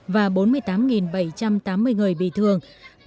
và bốn mươi tám bảy trăm tám mươi người bị thương